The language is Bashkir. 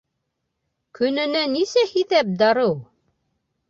Көнөнә нисә һиҙәп дарыу?